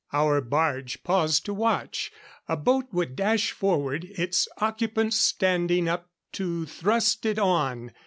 Our barge paused to watch. A boat would dash forward, its occupant standing up to thrust it on.